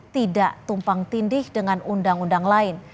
tidak tumpang tindih dengan undang undang lain